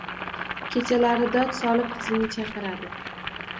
Kechalari dod solib, qizini chaqiradi